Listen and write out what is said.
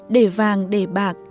để vàng để bạc